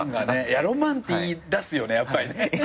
ロマンって出すよねやっぱりね。